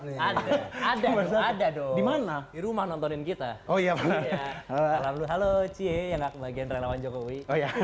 nih ada ada dong di rumah nontonin kita oh iya halo halo cie yang kebagian relawan jokowi